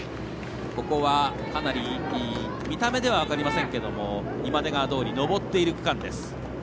ここは、かなり見た目では分かりませんが今出川通、上っている区間です。